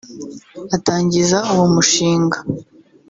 Atangiza uwo mushinga